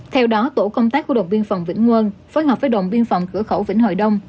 theo đó tổ công tác của đồn biên phòng vĩnh nguân phối hợp với đồn biên phòng cửa khẩu vĩnh hồi đông